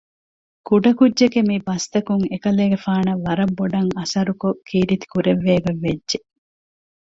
ކުޑަކުއްޖެއްގެ މިބަސްތަކުން އެކަލޭގެފާނަށް ވަރަށްބޮޑަށް އަސަރުކޮށް ކީރިތި ކުރެއްވޭގޮތް ވެއްޖެ